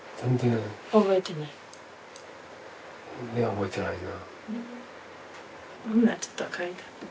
覚えてないな。